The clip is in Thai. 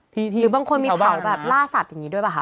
หรือบางคนมีเผาแบบล่าสัตว์อย่างนี้ด้วยป่ะคะ